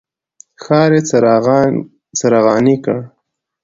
ښار یې څراغاني کړ.